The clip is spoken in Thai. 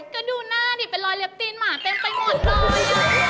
ก็ดูหน้าดิเป็นรอยเล็บตีนหมาเต็มไปหมดเลย